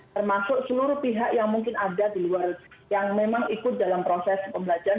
termasuk seluruh pihak yang mungkin ada di luar yang memang ikut dalam proses pembelajaran